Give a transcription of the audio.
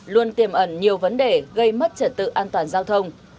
luôn tiềm ẩn nhiều vấn đề gây mất trật tự an toàn giao thông